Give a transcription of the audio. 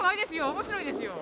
面白いですよ。